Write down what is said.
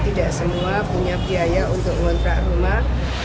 tidak semua punya biaya untuk mengontrak rumah